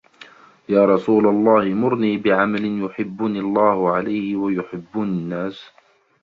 يَا رَسُولَ اللَّهِ مُرْنِي بِعَمَلٍ يُحِبُّنِي اللَّهُ عَلَيْهِ وَيُحِبُّنِي النَّاسُ